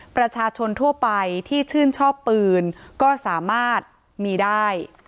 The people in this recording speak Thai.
ประชาชนทั่วไปที่ชื่นชอบปืนก็สามารถมีได้